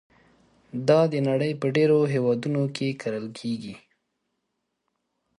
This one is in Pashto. دا د نړۍ په ډېرو هېوادونو کې کرل کېږي.